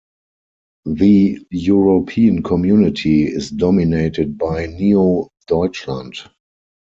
The European Community is dominated by Neo-Deutschland.